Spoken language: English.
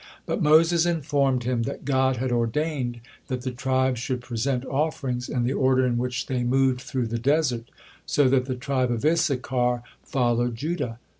But Moses informed him that God had ordained that the tribes should present offerings in the order in which they moved through the desert, so that the tribe of Issachar followed Judah.